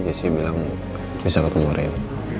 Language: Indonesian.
jessy bilang bisa ketemu ren